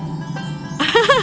belihat ini juga